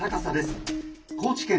高知県